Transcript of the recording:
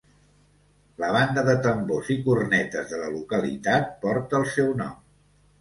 La banda de tambors i cornetes de la localitat porta el seu nom.